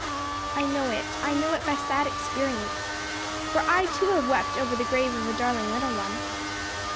"I know it, I know it by sad experience; for I too, have wept over the grave of a darling little one."